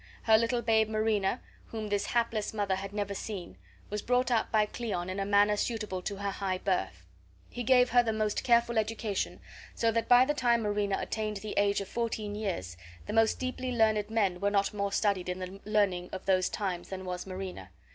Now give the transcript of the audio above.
Her little babe Marina, whom this hapless mother had never seen, was brought up by Cleon in a manner suitable to her high birth. He gave her the most careful education, so that by the time Marina attained the age of fourteen years the most deeply learned men were not more studied in the learning of those times than was Marina.